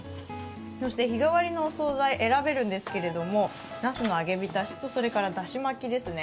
そして日替わりのお総菜、選べるんですけど、なすの揚げ浸しとそれからだし巻きですね。